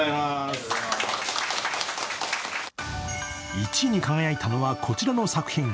１位に輝いたのは、こちらの作品。